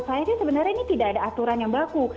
nah kalau buat saya sih sebenarnya ini tidak ada aturan yang baku